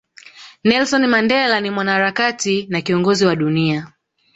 Nelson Mandela ni Mwanaharakati na Kiongozi wa dunia